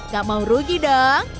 gak mau rugi dong